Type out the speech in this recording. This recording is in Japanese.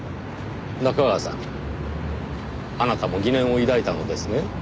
中川さんあなたも疑念を抱いたのですね？